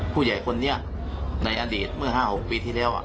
ผู้ใหญ่คนนี้ในอดีตเมื่อ๕๖ปีที่แล้ว